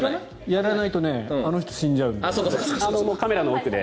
やらないとあの人、死んじゃうんで。